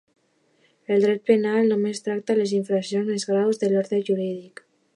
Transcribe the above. El dret penal només tracta les infraccions més greus de l'ordre jurídic.